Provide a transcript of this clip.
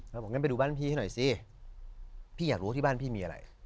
แล้วบอกงั้นไปดูบ้านพี่ให้หน่อยสิพี่อยากรู้ที่บ้านพี่มีอะไร